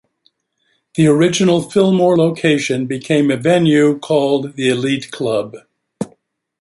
The original Fillmore location became a venue called The Elite Club.